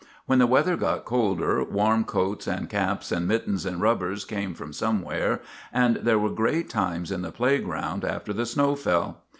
When the weather got colder warm coats and caps and mittens and rubbers came from somewhere, and there were great times in the playground after the snow fell.